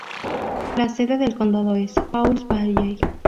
La sede del condado es Pauls Valley.